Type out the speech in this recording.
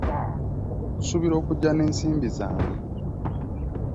Nkusuubira okujja n'ensimbi zange.